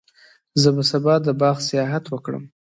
زه به سبا د باغ سیاحت وکړم.